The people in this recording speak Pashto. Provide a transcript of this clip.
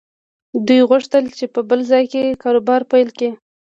دوی غوښتل چې په بل ځای کې کاروبار پيل کړي.